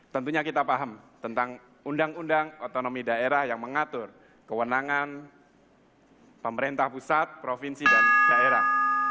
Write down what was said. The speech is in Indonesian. tentunya kita paham tentang undang undang otonomi daerah yang mengatur kewenangan pemerintah pusat provinsi dan daerah